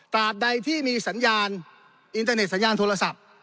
ใดที่มีสัญญาณอินเทอร์เน็ตสัญญาณโทรศัพท์